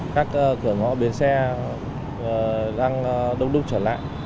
các cửa ngõ bến xe đang đông đúc trở lại